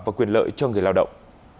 và quyền lợi cho người lao động